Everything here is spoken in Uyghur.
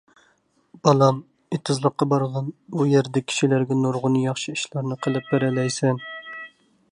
بالام، ئېتىزلىققا بارغىن، ئۇ يەردە كىشىلەرگە نۇرغۇن ياخشى ئىشلارنى قىلىپ بېرەلەيسەن!